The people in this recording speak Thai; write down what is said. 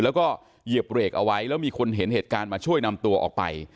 แล้วก็เหยียบเบรกเอาไว้แล้วมีคนเห็นเหตุการณ์มาช่วยนำตัวออกไป